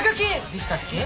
でしたっけ？